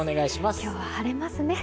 今日は晴れますね。